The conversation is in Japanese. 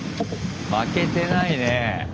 負けてないねぇ。